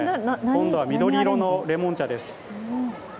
今度は緑色のレモン茶です。